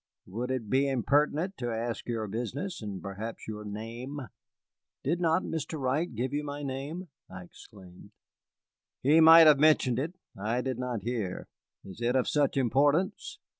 "Would it be impertinent to ask your business and perhaps your name?" "Did not Mr. Wright give you my name?" I exclaimed. "He might have mentioned it, I did not hear. Is it of such importance?"